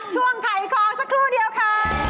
ช่วงไข่คลองสักครู่เดียวค่ะ